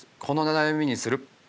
この悩みにする。